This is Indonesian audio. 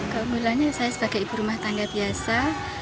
keunggulannya saya sebagai ibu rumah tangga biasa